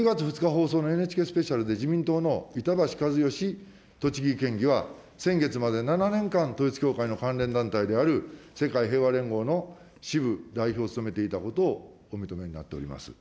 放送のＮＨＫスペシャルで、自民党の板橋一好栃木県議は、先月まで７年間、統一教会の関連団体である世界平和連合の支部代表を務めていたことをお認めになっております。